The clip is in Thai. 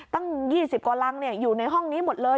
ตั้ง๒๐กว่ารังอยู่ในห้องนี้หมดเลย